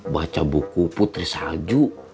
baca buku putri salju